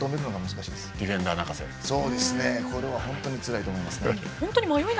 ディフェンスは本当につらいと思いますね。